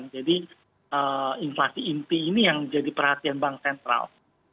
jadi inflasi inti ini yang jadi perhatian bank sentral